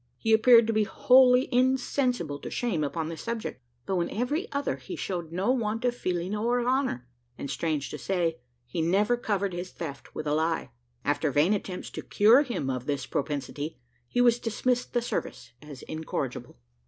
He appeared to be wholly insensible to shame upon this subject, though in every other he showed no want of feeling or of honour; and, strange to say, he never covered his theft with a lie. After vain attempts to cure him of this propensity, he was dismissed the service as incorrigible.